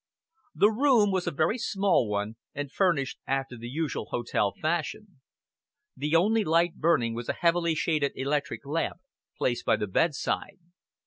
The room was a very small one, and furnished after the usual hotel fashion. The only light burning was a heavily shaded electric lamp, placed by the bedside.